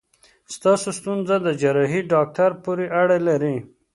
ستاسو ستونزه د جراحي داکټر پورې اړه لري.